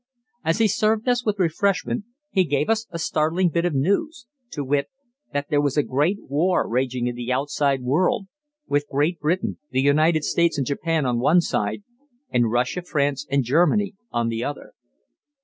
As he served us with refreshment, he gave us a startling bit of news, to wit: that there was a great war raging in the outside world, with Great Britain, the United States, and Japan on one side, and Russia, France, and Germany on the other.